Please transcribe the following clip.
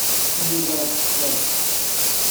C'en est donc fait!